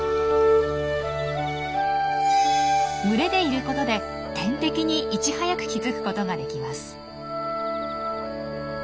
群れでいることで天敵にいち早く気付くことができます。